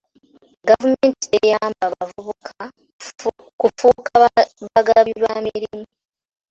Gavumenti teyamba bavubuka kufuuka bagabi ba mirimu.